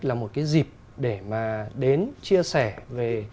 là một cái dịp để mà đến chia sẻ về